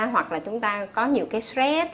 hoặc là chúng ta có nhiều cái stress